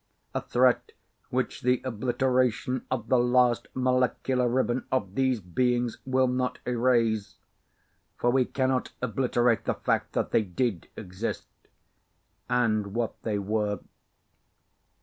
A threat which the obliteration of the last molecular ribbon of these beings will not erase, for we cannot obliterate the fact that they did exist and what they were.